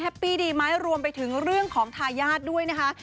ปี้ดีไหมรวมไปถึงเรื่องของทายาทด้วยนะคะ